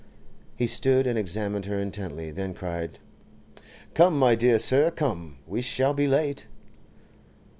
He stood and examined her intently, then cried: 'Come, my dear sir, come! we shall be late.